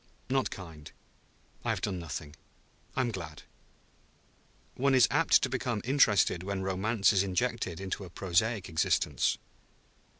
"Not kind; I have done nothing. I am glad.... One is apt to become interested when Romance is injected into a prosaic existence."